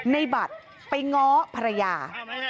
ในบัตรไปง้อภรรยา